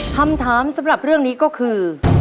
คำถามสำหรับเรื่องนี้ก็คือ